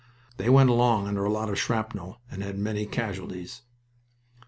"They went along under a lot of shrapnel and had many casualties."